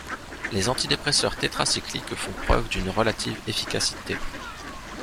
Les antidépresseurs tétracycliques font preuve d'une relative efficacité.